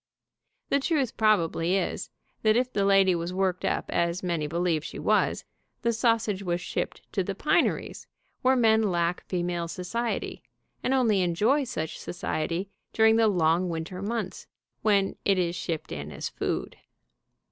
The truth probably is, that if the lady was worked up as many believe she was, the sausage was shipped to the pine ries, where men lack female society, and only enjoy such society during the long winter months, when it is shipped in as food.